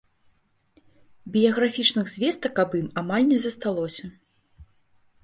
Біяграфічных звестак аб ім амаль не засталося.